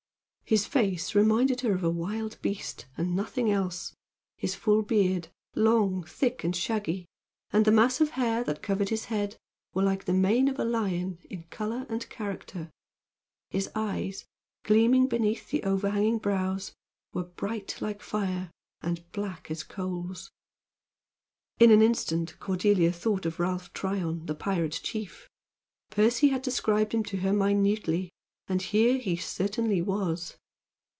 His face reminded her of a wild beast, and nothing else. His full beard, long, thick and shaggy, and the mass of hair that covered his head, were like the mane of a lion in color and character. His eyes, gleaming beneath the overhanging brows, were bright like fire and black as coals. In an instant Cordelia thought of Ralph Tryon, the pirate chief. Percy had described him to her minutely, and here he certainly was.